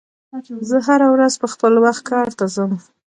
زه هره ورځ په خپل وخت کار ته ځم.